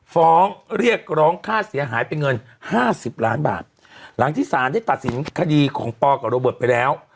ฟ้องเรียกร้องค่าเสียหายเป็นเงินห้าสิบล้านบาทหลังที่สารได้ตัดสินคดีของปอกับโรเบิร์ตไปแล้ว